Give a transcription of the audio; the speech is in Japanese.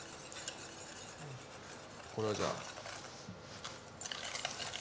これはじゃあ。